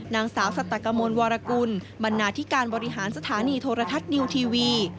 นางสาวสัตกมลวรกุลบรรณาธิการบริหารสถานีโทรทัศน์นิวทีวี